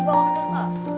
mas kita bangun